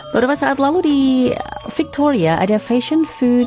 beberapa saat lalu di victoria ada fashion food